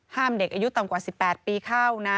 เด็กอายุต่ำกว่า๑๘ปีเข้านะ